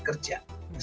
kami adalah partner kerja